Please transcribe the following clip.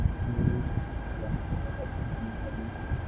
Class শেষ হওয়ার পরে কেন জানি তিনি আমাকেই তাঁর অফিসে নিয়ে গেলেন।